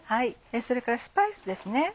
それからスパイスですね。